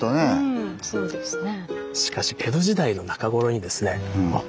うんそうですね。